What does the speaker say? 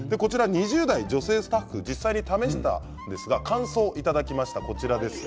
２０代女性スタッフが実際に試したんですが感想をいただきました。